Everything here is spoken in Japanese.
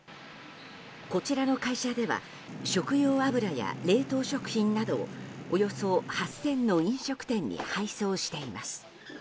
こちらの会社では食用油や冷凍食品などをおよそ８０００の飲食店に配送しています。